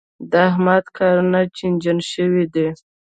د احمد کارونه چينجن شوي دي.